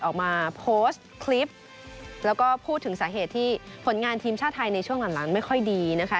ออกมาโพสต์คลิปแล้วก็พูดถึงสาเหตุที่ผลงานทีมชาติไทยในช่วงหลังไม่ค่อยดีนะคะ